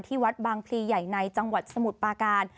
วัดบางพลีใหญ่ในจังหวัดสมุทรปาการ